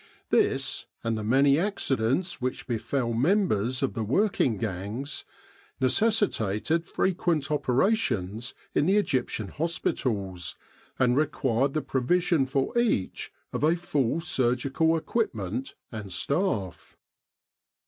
This, and the many accidents which befell members of the working gangs, necessitated frequent operations in the Egyptian hospitals, and required the provision for each of a full surgical equipment and staff.